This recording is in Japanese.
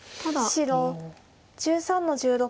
白１３の十六。